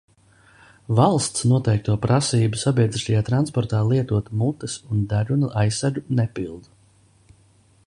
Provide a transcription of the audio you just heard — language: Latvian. Valsts noteikto prasību sabiedriskajā transportā lietot mutes un deguna aizsegu nepildu.